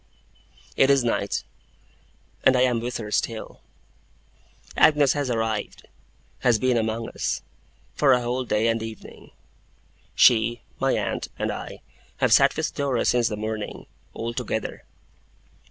It is night; and I am with her still. Agnes has arrived; has been among us for a whole day and an evening. She, my aunt, and I, have sat with Dora since the morning, all together.